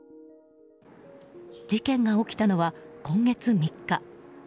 事件が起きたのは、今月３日。